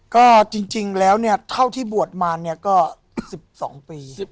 ก็จริงแล้วเนี่ยเท่าที่บวชมาเนี่ยก็๑๒ปี